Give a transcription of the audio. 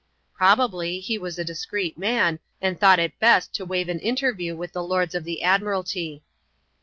Probably, he was a ^screet man, and thought it best to waive an interview with the lords of the admiralty.